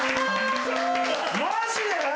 マジで？